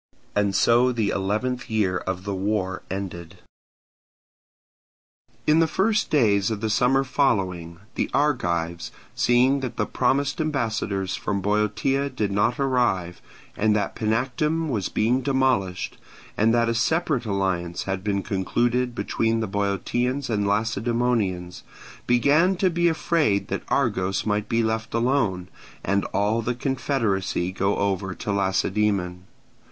And so the eleventh year of the war ended. In the first days of the summer following, the Argives, seeing that the promised ambassadors from Boeotia did not arrive, and that Panactum was being demolished, and that a separate alliance had been concluded between the Boeotians and Lacedaemonians, began to be afraid that Argos might be left alone, and all the confederacy go over to Lacedaemon.